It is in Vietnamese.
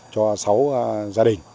cho sáu gia đình